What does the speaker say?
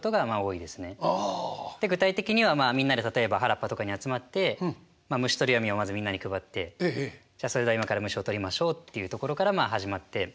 で具体的にはみんなで例えば原っぱとかに集まって虫捕り網をまずみんなに配ってじゃあそれでは今から虫を捕りましょうっていうところからまあ始まって。